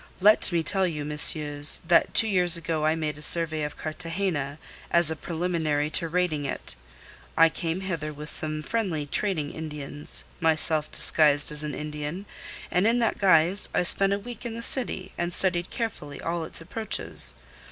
Let me tell you, messieurs, that two years ago I made a survey of Cartagena as a preliminary to raiding it. I came hither with some friendly trading Indians, myself disguised as an Indian, and in that guise I spent a week in the city and studied carefully all its approaches.